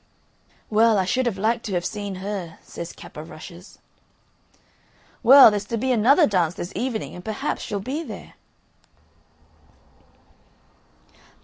"Well, I should have liked to have seen her," says Cap o' Rushes. "Well, there's to be another dance this evening, and perhaps she'll be there."